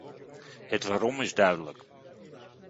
Het waarom is duidelijk...